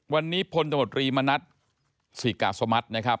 วันนี้พลตมตรีมณัฐศิกาสมัตินะครับ